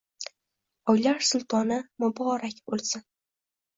Oylar sultoni muborak bo‘lsin!